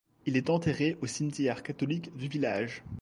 Il est enterré au cimetière catholique du village.